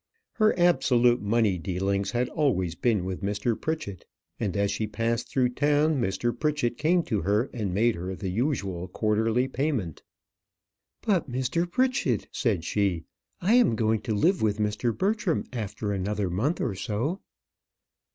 Her absolute money dealings had always been with Mr. Pritchett; and as she passed through town, Mr. Pritchett came to her and made her the usual quarterly payment. "But, Mr. Pritchett," said she, "I am going to live with Mr. Bertram after another month or so."